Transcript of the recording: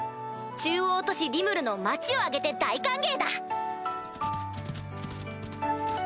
中央都市リムルの町を挙げて大歓迎だ！